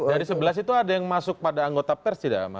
dari sebelas itu ada yang masuk pada anggota pers tidak mas